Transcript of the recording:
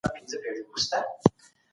د حق او باطل ترمنځ توپیر اړین دی.